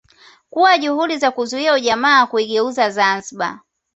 Kuwa juhudi za kuzuia ujamaa kuigeuza Zanzibar